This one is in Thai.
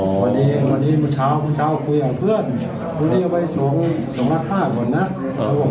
วันดีวันดีโมงเช้าโมงเช้าคุยกับเพื่อนคุายังไวเซอร์สอง